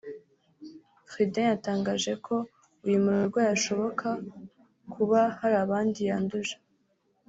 Frieden yatangaje ko uyu murwayi ashoboka kuba hari abandi yanduje